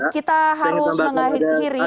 kita harus mengakhiri